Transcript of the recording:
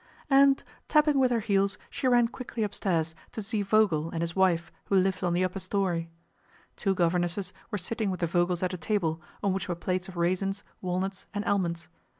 And tapping with her heels, she ran quickly upstairs to see Vogel and his wife who lived on the upper story. Two governesses were sitting with the Vogels at a table, on which were plates of raisins, walnuts, and almonds.